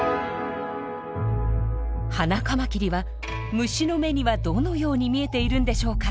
ハナカマキリは虫の目にはどのように見えているんでしょうか？